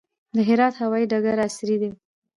د هرات هوايي ډګر عصري دی